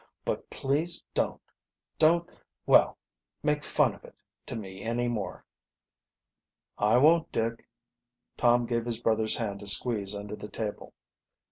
But please don't don't well, make fun of it to me any more." "I won't, Dick." Tom gave his brother's hand a squeeze under the table.